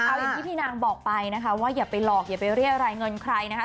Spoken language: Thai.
เอาอย่างที่พี่นางบอกไปนะคะว่าอย่าไปหลอกอย่าไปเรียรายเงินใครนะคะ